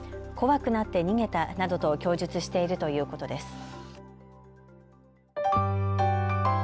怖くなって逃げたなどと供述しているということです。